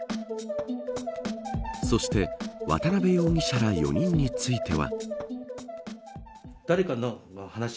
そして渡辺容疑者ら４人については。